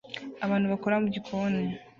Abantu bakora mu gikoni